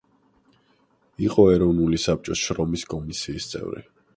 იყო ეროვნული საბჭოს შრომის კომისიის წევრი.